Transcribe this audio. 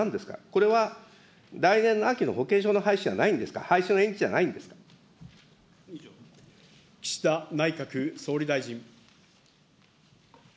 これは来年の秋の保険証の廃止じゃないんですか、廃止の延期じゃ岸田内閣総理大臣。